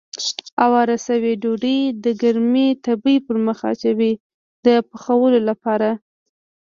اواره شوې ډوډۍ د ګرمې تبۍ پر مخ اچوي د پخولو لپاره.